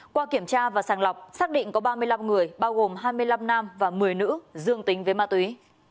qua kiểm tra và sàng lọc xác định có ba mươi năm người bao gồm hai mươi năm nam và một mươi nữ dương tính với ma túy